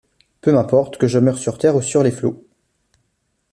Peu m'importe que je meure sur terre ou sur les flots.